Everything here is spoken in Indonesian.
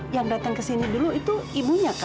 yang datang ke sini dulu itu ibunya kak